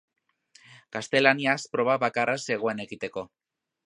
Gaztelaniaz proba bakarra zegoen egiteko.